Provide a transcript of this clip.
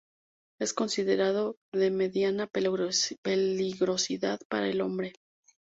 Es considerado de mediana peligrosidad para el hombre.